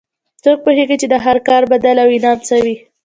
څوک پوهیږي چې د هر کار بدل او انعام څه وي